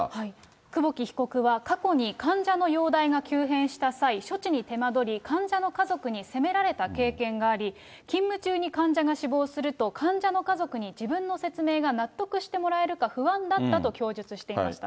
久保木被告は過去に患者の容体が急変した際、処置に手間取り、患者の家族に責められた経験があり、勤務中に患者が死亡すると、患者の家族に自分の説明が納得してもらえるか不安だったと供述していました。